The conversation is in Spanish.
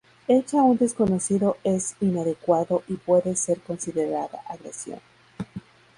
Hecha a un desconocido es inadecuado y puede ser considerada agresión.